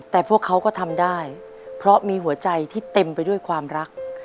แต่พวกเขาก็ทำได้เพราะมีหัวใจที่เต็มไปด้วยความรัก